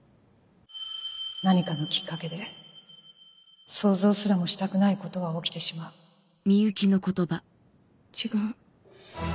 何かのきっかけで想像すらもしたくないことは起きてしまう違う。